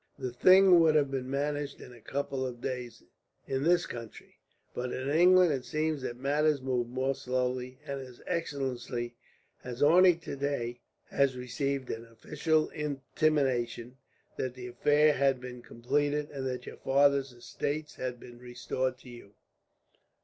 The thing would have been managed in a couple of days, in this country; but in England it seems that matters move more slowly, and his excellency has only today received an official intimation that the affair has been completed, and that your father's estates have been restored to you."